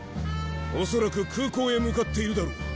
恐らく空港へ向かっているだろう。